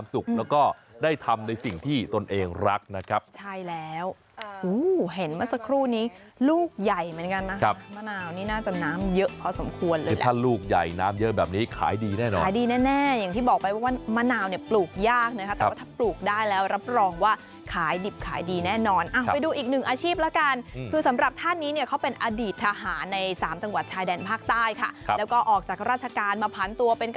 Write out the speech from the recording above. มะนาวนี่น่าจะน้ำเยอะพอสมควรเลยแหละถ้าลูกใหญ่น้ำเยอะแบบนี้ขายดีแน่นอนขายดีแน่อย่างที่บอกไปว่ามะนาวปลูกยากนะครับแต่ถ้าปลูกได้แล้วรับรองว่าขายดิบขายดีแน่นอนไปดูอีกหนึ่งอาชีพละกันคือสำหรับท่านนี้เขาเป็นอดีตทหารใน๓จังหวัดชายแดนภาคใต้ค่ะแล้วก็ออกจากราชการมาพันตัวเป็